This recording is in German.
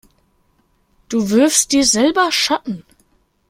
Du wirfst dir selber Schatten.